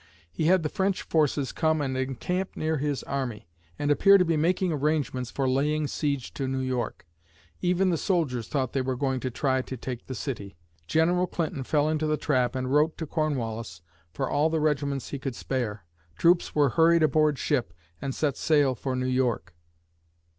He had the French forces come and encamp near his army, and appear to be making arrangements for laying siege to New York. Even the soldiers thought they were going to try to take the city. General Clinton fell into the trap and wrote to Cornwallis for all the regiments he could spare. Troops were hurried aboard ship and set sail for New York.